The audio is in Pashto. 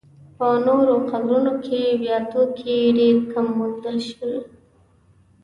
په نورو قبرونو کې بیا توکي ډېر کم وموندل شول.